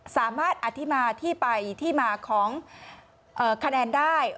สามารถอธิมาที่ไปที่มาของคะแนนได้